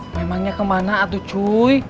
memangnya kemana atu cuy